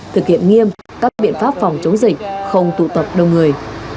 thực hiện nghiêm các biện pháp phòng chống dịch không tụ tập đông người